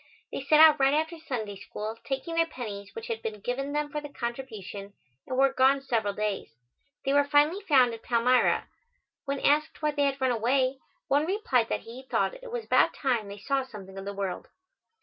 They set out right after Sunday School, taking their pennies which had been given them for the contribution, and were gone several days. They were finally found at Palmyra. When asked why they had run away, one replied that he thought it was about time they saw something of the world.